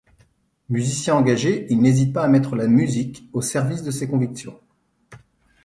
Musicien engagé, il n'hésite pas à mettre la musique au service de ses convictions.